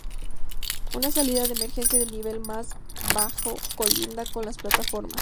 Una salida de emergencia del nivel más bajo colinda con las plataformas.